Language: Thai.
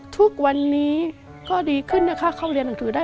ทุกวันนี้ก็ดีขึ้นนะคะเข้าเรียนหนังสือได้